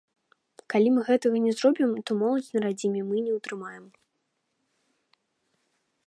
Калі мы гэтага не зробім, то моладзь на радзіме мы не ўтрымаем.